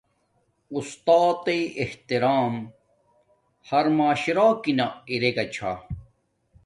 اُستاتݵ احترام ہر معاشرکن ارگا چھا